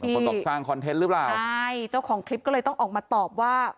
คนบอกสร้างคอนเทนต์หรือเปล่าใช่เจ้าของคลิปก็เลยต้องออกมาตอบว่า